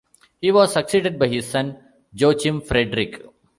He was succeeded by his son Joachim Frederick.